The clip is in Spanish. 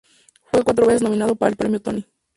Fue cuatro veces nominado para el Premio Tony.